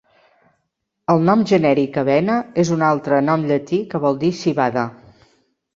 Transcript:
El nom genèric "Avena" és un altre nom llatí que vol dir "civada".